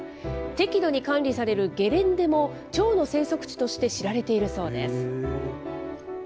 適度に管理されるゲレンデもチョウの生息地として知られているそうです。